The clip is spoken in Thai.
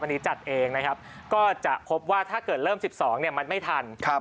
อันนี้จัดเองนะครับก็จะพบว่าถ้าเกิดเริ่ม๑๒เนี่ยมันไม่ทัน